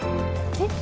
えっ？